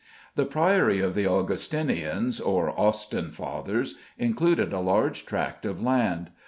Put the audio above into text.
The Priory of the Augustinians, or Austin Friars, included a large tract of land.